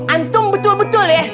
antum betul betul ya